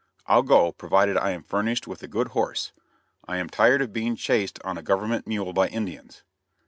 I'll go, provided I am furnished with a good horse. I am tired of being chased on a government mule by Indians."